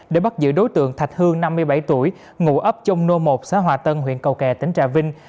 để bắt giữ đối tượng thạch hương năm mươi bảy tuổi ngụ ấp chông nô một xã hòa tân huyện cầu kè tỉnh trà vinh